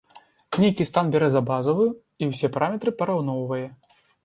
Нейкі стан бярэ за базавую, і ўсе параметры параўноўвае.